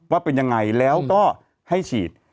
ว่าเป็นยังไงแล้วก็ให้ฉีด